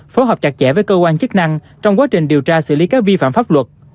phối hợp chặt chẽ với cơ quan chức năng trong quá trình điều tra xử lý các vi phạm pháp luật